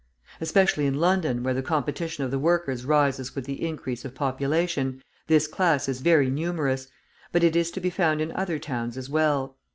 Especially in London, where the competition of the workers rises with the increase of population, this class is very numerous, but it is to be found in other towns as well.